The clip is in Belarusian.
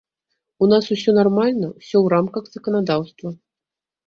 У нас усё нармальна, усё ў рамках заканадаўства.